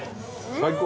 最高！